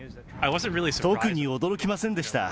特に驚きませんでした。